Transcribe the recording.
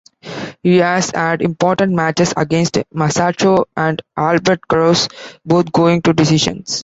He has had important matches against Masato and Albert Kraus, both going to decisions.